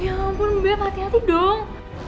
ya ampun biar hati hati dong